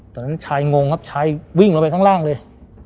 ตอนนั้นชายงงครับชายวิ่งลงไปข้างล่างเลย